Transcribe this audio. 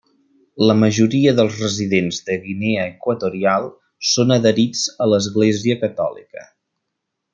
La majoria dels residents de Guinea Equatorial són adherits a l'Església Catòlica.